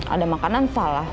ada makanan salah